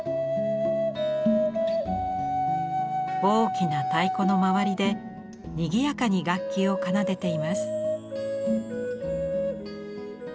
大きな太鼓の周りでにぎやかに楽器を奏でています。